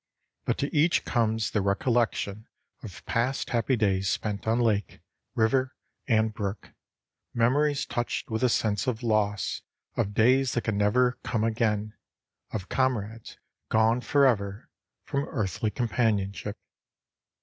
But to each comes the recollection of past happy days spent on lake, river and brook, memories touched with a sense of loss, of days that can never come again, of comrades gone forever from earthly companionship.